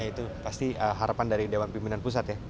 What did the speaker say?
itu pasti harapan dari dewan pimpinan pusat ya